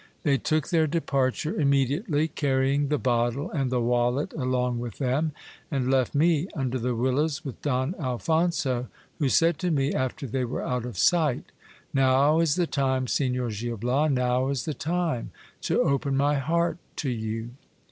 They took their departure immediately, carrying the bottle and the wallet along with them, and left me under the willows with Don Alphonso, who said to me after they were out of sight : Now is the time, Signor Gil Bias, now is the time to open my heart to you.